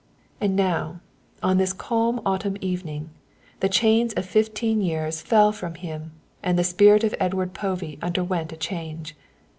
And now, on this calm autumn evening the chains of fifteen years fell from him and the spirit of Edward Povey underwent a change.